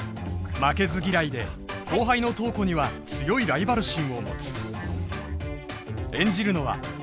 負けず嫌いで後輩の塔子には強いライバル心を持つ演じるのはＮＥＷＳ